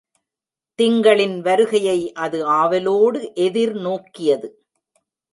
திங்களின் வருகையை அது ஆவலோடு எதிர்நோக்கியது.